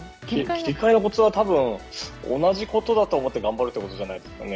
切り替えのコツは多分同じことだと思って頑張るということじゃないですかね。